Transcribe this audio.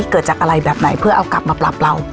เกิดจากอะไรแบบไหนเพื่อเอากลับมาปรับเรา